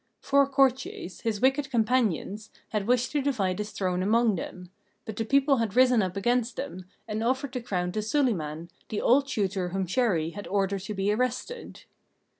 Four courtiers, his wicked companions, had wished to divide his throne among them; but the people had risen up against them, and offered the crown to Suliman, the old tutor whom Chéri had ordered to be arrested.